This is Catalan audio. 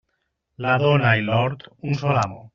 La dona i l'hort, un sol amo.